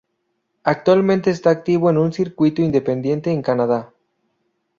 Actualmente está activo en un circuito independiente en Canadá.